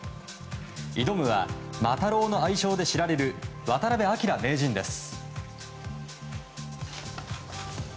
挑むは、魔太郎の愛称で知られる渡辺明名人です。